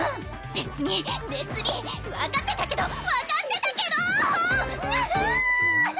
別に別に分かってたけど分かってたけどにゃふ！